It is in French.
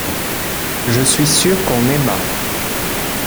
Je suis sûr qu’on aima.